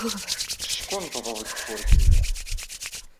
Teckunṭḍeḍ deg ufurk-nni.